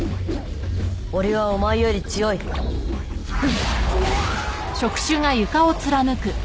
俺はお前より強いあ